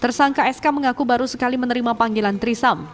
tersangka sk mengaku baru sekali menerima panggilan trisam